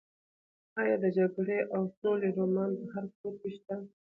ایا د جګړې او سولې رومان په هر کور کې شته؟